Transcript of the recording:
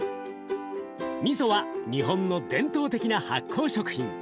みそは日本の伝統的な発酵食品。